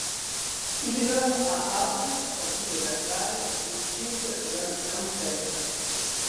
Il meurt à Arles, sa ville natale, des suites d'un cancer.